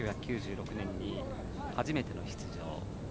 １９９６年に初めての出場。